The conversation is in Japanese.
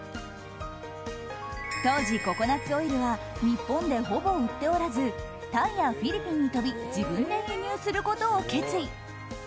当時、ココナッツオイルは日本でほぼ売っておらずタイやフィリピンに飛び自分で輸入することを決意。